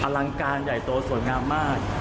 ลังการใหญ่โตสวยงามมาก